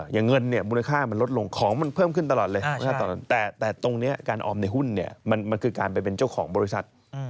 เงินเนี่ยมูลค่ามันลดลงของมันเพิ่มขึ้นตลอดเลยแต่ตรงนี้การออมในหุ้นเนี่ยมันคือการไปเป็นเจ้าของบริษัท